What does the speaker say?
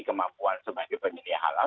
kemampuan sebagai penyelia halal